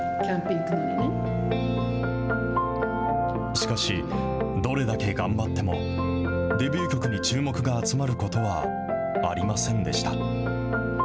しかし、どれだけ頑張っても、デビュー曲に注目が集まることはありませんでした。